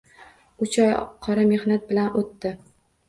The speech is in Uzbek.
Uch oy qora mehnat bilan o‘tdi.